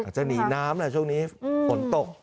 จะหนีน้ำล่ะช่วงนี้ฝนตก